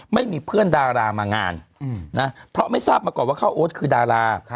ไม่มีเพื่อนดารามางานนะเพราะไม่ทราบมาก่อนว่าข้าวโอ๊ตคือดารา